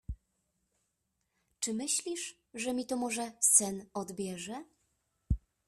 — Czy myślisz, że mi to może sen odbierze?